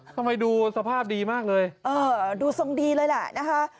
ทำไมดูสภาพดีมากเลยเออดูทรงดีเลยแหละนะคะ